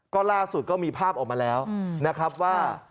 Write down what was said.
ก็ล่าสุดมีภาพออกมาแล้วว่า